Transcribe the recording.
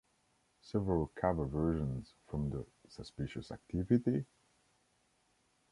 Several cover versions from the Suspicious Activity?